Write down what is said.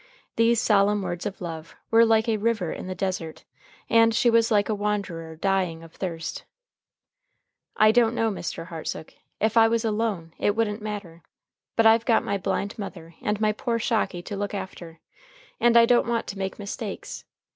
These solemn words of love were like a river in the desert, and she was like a wanderer dying of thirst. "I don't know, Mr. Hartsook. If I was alone, it wouldn't matter. But I've got my blind mother and my poor Shocky to look after. And I don't want to make mistakes.